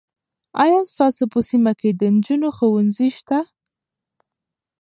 آیا ستاسو په سیمه کې د نجونو ښوونځی سته؟